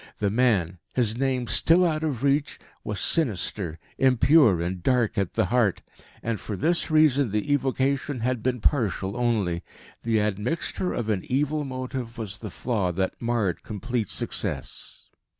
The man, his name still out of reach, was sinister, impure and dark at the heart. And for this reason the evocation had been partial only. The admixture of an evil motive was the flaw that marred complete success.